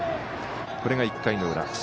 これが１回の裏。